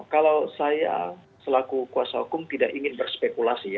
kalau saya selaku kuasa hukum tidak ingin berspekulasi ya